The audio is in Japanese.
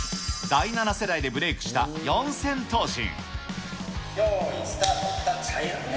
第７世代でブレークした四千頭身。